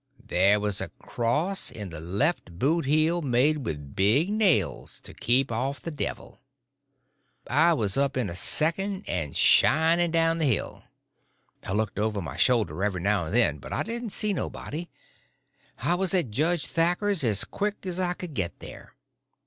There was a cross in the left boot heel made with big nails, to keep off the devil. I was up in a second and shinning down the hill. I looked over my shoulder every now and then, but I didn't see nobody. I was at Judge Thatcher's as quick as I could get there.